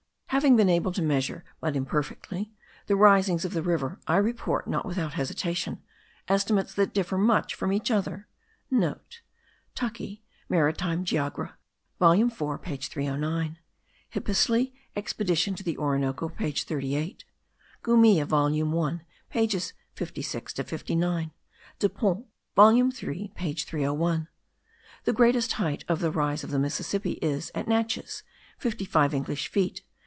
Having been able to measure but imperfectly the risings of the river, I report, not without hesitation, estimates that differ much from each other.* (* Tuckey, Maritime Geogr. volume 4 page 309. Hippisley, Expedition to the Orinoco page 38. Gumilla volume 1 pages 56 to 59. Depons volume 3 page 301. The greatest height of the rise of the Mississippi is, at Natchez, fifty five English feet.